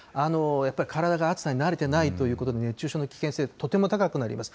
やっぱり体が暑さに慣れてないということで、熱中症の危険性、とても高くなります。